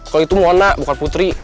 kalo itu mona bukan putri